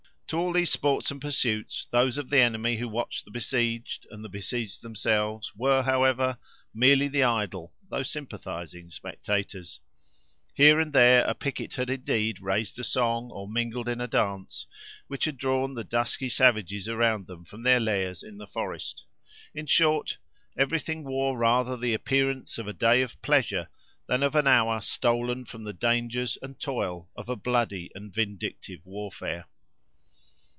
To all these sports and pursuits, those of the enemy who watched the besieged, and the besieged themselves, were, however, merely the idle though sympathizing spectators. Here and there a picket had, indeed, raised a song, or mingled in a dance, which had drawn the dusky savages around them, from their lairs in the forest. In short, everything wore rather the appearance of a day of pleasure, than of an hour stolen from the dangers and toil of a bloody and vindictive warfare.